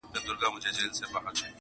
• ته لا اوس هم ښکار کوې د مظلومانو -